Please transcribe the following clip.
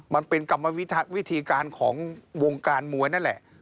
มันเป็นกรรมวิธีการของวงการมวยนั่นแหละ